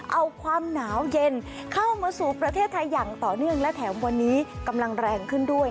เอาความหนาวเย็นเข้ามาสู่ประเทศไทยอย่างต่อเนื่องและแถมวันนี้กำลังแรงขึ้นด้วย